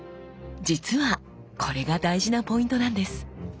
実はこれが大事なポイントなんです。